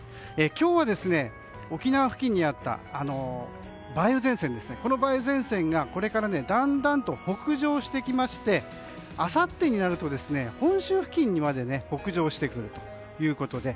今日は、沖縄付近にあったこの梅雨前線がだんだんと北上してきましてあさってになると本州付近にまで北上してくるということで。